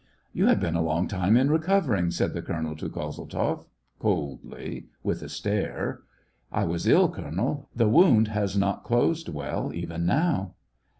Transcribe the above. '' You have been a long time in recovering," said the colonel to Kozeltzoff, coldly, with a stare. " I was ill, colonel ! The wound has not closed well even now."